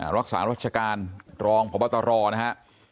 รักษารัชการรองพบตรนะครับ